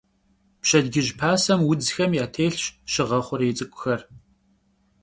Pşedcıj pasem vudzxem yatêlhş şığe xhurêy ts'ık'uxer.